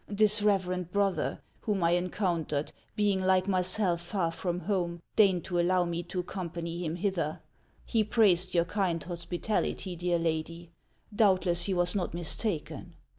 This reverend brother, whom I encountered, being like myself far from home, deigned to allow me to accom pany him hither. He praised your kind hospitality, dear lady ; doubtless he was not mistaken.